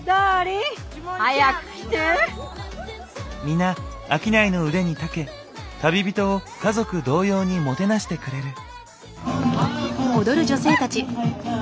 皆商いの腕に長け旅人を家族同様にもてなしてくれる。